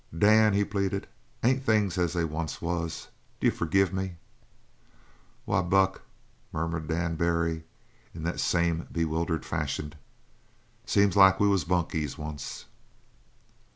"Dan," he pleaded, "ain't things as they once was? D'you forgive me?" "Why, Buck," murmured Dan Barry, in that same bewildered fashion, "seems like we was bunkies once."